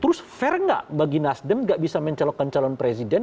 terus fair nggak bagi nasdem nggak bisa mencolokkan calon presiden